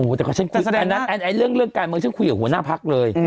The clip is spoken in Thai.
อืมแต่ก็ฉันคุยแต่แสดงนั้นไอ้เรื่องเรื่องการเมืองฉันคุยกับหัวหน้าพักเลย